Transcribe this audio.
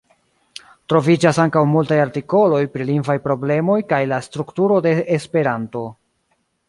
Troviĝas ankaŭ multaj artikoloj pri lingvaj problemoj kaj la strukturo de Esperanto.